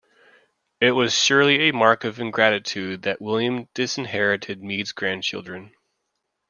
It was surely a mark of ingratitude that William disinherited Mead's grandchildren.